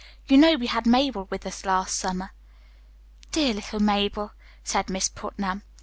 You know we had Mabel with us last summer." "Dear little Mabel," said Miss Putnam.